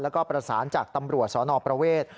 แล้วก็ประสานจากตำรวจสนประเวท